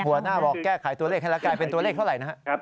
หัวหน้าบอกแก้ไขตัวเลขให้แล้วกลายเป็นตัวเลขเท่าไหร่นะครับ